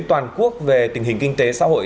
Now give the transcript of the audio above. toàn quốc về tình hình kinh tế xã hội